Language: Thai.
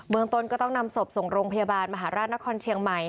เมืองต้นก็ต้องนำศพส่งโรงพยาบาลมหาราชนครเชียงใหม่